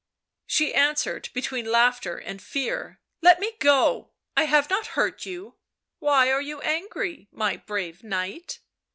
She answered between laughter and fear. " Let me go — I have not hurt you ; why are you angry, my brave knight?"